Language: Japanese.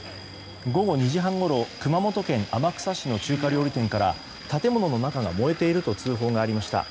午後２時半ごろ熊本県天草市の中華料理店から建物の中が燃えていると通報がありました。